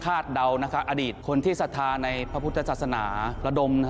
เดาอดีตคนที่ศรัทธาในพระพุทธศาสนาระดม